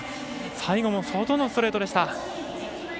最後も外のストレートでした。